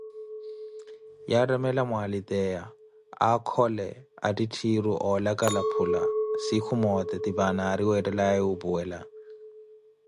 Yattamela mwalteyiya, akhole atitthiru oolakala phula, siikhu moote, tipani ari weetelaawe wuupuwela?